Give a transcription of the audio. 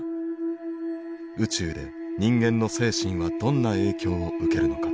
宇宙で人間の精神はどんな影響を受けるのか。